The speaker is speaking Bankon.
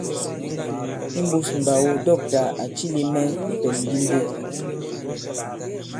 Imbūs mbàgo dɔ̂ktà à cilī mɛ̀ ìpɛ̀n di mbo.